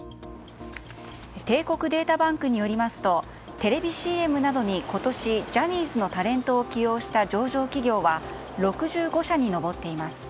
帝国データバンクによりますとテレビＣＭなどに今年、ジャニーズのタレントを起用した上場企業は６５社に上っています。